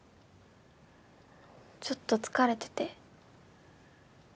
ちょっと疲れてて。